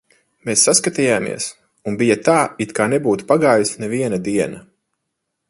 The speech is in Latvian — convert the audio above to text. Mēs saskatījāmies, un bija tā, it kā nebūtu pagājusi neviena diena.